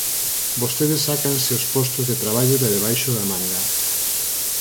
Vostedes sácanse os postos de traballo de debaixo da manga.